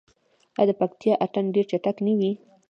آیا د پکتیا اتن ډیر چټک نه وي؟